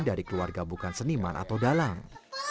dari keluarga bukan seniman atau dalang